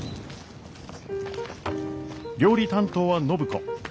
料理担当は暢子。